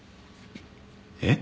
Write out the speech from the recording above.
えっ？